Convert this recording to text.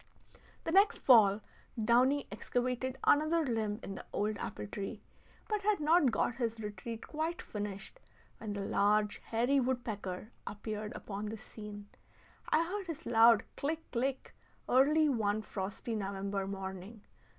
The next fall, the downy excavated another limb in the old apple tree, but had not got his retreat quite finished, when the large hairy woodpecker appeared upon the scene. I heard his loud click, click, early one frosty November morning.